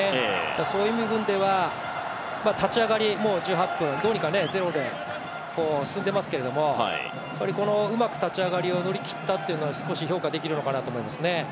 そういう部分では立ち上がり、もう１８分、どうにか０で進んでますけどうまく立ち上がりを乗り切ったというのは少し評価できるのかなと思いますね。